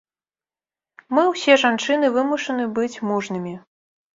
Мы, усе жанчыны, вымушаны быць мужнымі.